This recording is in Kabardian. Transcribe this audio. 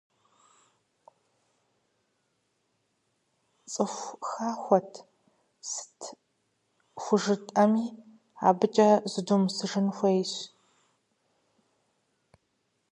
ЦӀыху хахуэт, сыт хужытӀэми, абыкӀэ зыдумысыжын хуейщ.